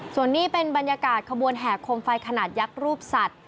ส่วนนี้เป็นบรรยากาศขบวนแห่โคมไฟขนาดยักษ์รูปสัตว์